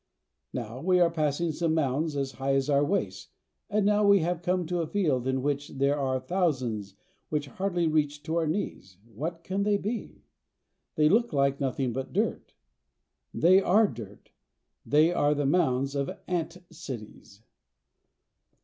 Now we are passing some mounds as high as our waists, and now we have come to a field in which there are thousands which hardly reach to our knees. What can they be ? They look like nothing but dirt. They are dirt. They are the mounds of ant cities.